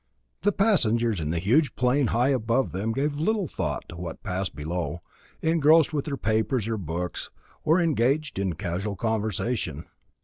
The passengers in the huge plane high above them gave little thought to what passed below, engrossed with their papers or books, or engaged in casual conversation.